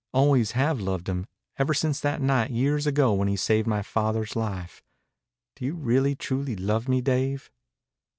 Always have loved him, ever since that night years ago when he saved my father's life. Do you really truly love me, Dave?"